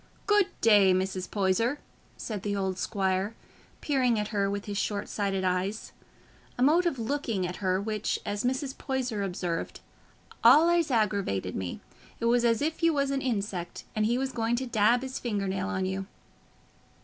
"Good day, Mrs. Poyser," said the old squire, peering at her with his short sighted eyes—a mode of looking at her which, as Mrs. Poyser observed, "allays aggravated me: it was as if you was a insect, and he was going to dab his finger nail on you."